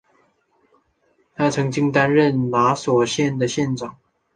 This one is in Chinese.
他曾经担任拿索县的县长。